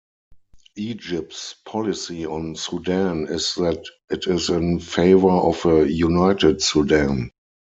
Egypt's policy on Sudan is that it is in favor of a united Sudan.